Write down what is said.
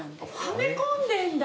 はめ込んでんだ！